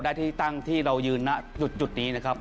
ได้ที่ตั้งที่เรายืนนะจุดนี้นะครับ